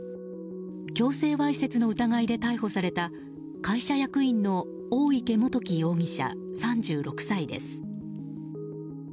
強制わいせつの疑いで逮捕された会社役員の大池基生容疑者、３６歳です。